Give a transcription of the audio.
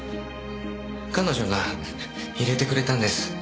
彼女が入れてくれたんです。